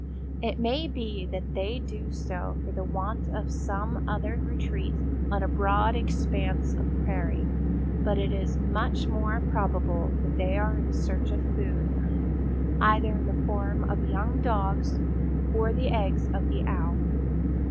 It may be that they do so for the want of some other retreat on a broad expanse of prairie, but it is much more probable that they are in search of food, either in the form of young dogs or the eggs of the Owl.